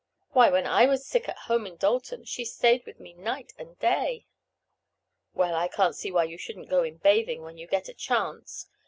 Why, when I was sick home in Dalton, she stayed with me night and day." "Well, I can't see why you shouldn't go in bathing when you get a chance.